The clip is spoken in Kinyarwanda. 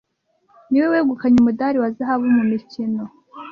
niwe wegukanye umudari wa zahabu mu mikino